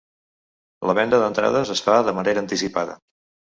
La venda d’entrades es fa de manera anticipada.